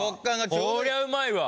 こりゃうまいわ！